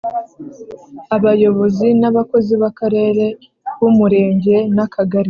Abayobozi n abakozi b Akarere b Umurenge n Akagari